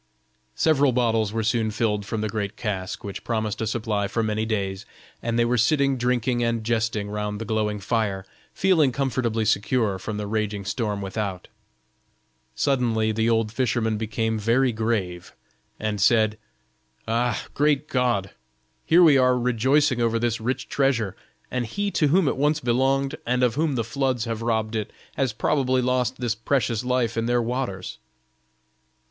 Several bottles were soon filled from the great cask, which promised a supply for many days, and they were sitting drinking and jesting round the glowing fire, feeling comfortably secured from the raging storm without. Suddenly the old fisherman became very grave and said: "Ah, great God! here we are rejoicing over this rich treasure, and he to whom it once belonged, and of whom the floods have robbed it, has probably lost this precious life in their waters."